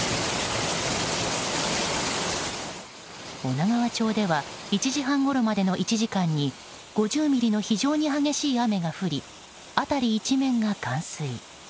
女川町では１時半ごろまでの１時間に５０ミリの非常に激しい雨が降り辺り一面が冠水。